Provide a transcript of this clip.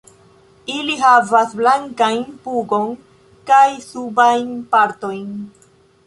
Ili havas blankajn pugon kaj subajn partojn.